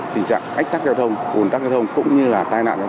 tình trạng ách tắc giao thông ồn tắc giao thông cũng như là tai nạn giao thông